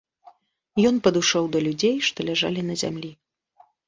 Ён падышоў да людзей, што ляжалі на зямлі.